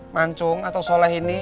mancung atau soleh ini